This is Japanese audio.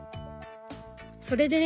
それでね